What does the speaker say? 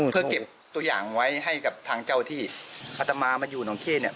เพื่อเก็บตัวอย่างไว้ให้กับทางเจ้าที่อัตมามาอยู่หนองเข้เนี่ย